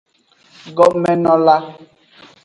Gomenola.